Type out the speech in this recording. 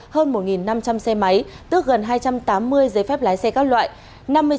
hơn một năm trăm linh xe máy tức gần hai trăm tám mươi giấy phép lái xe các loại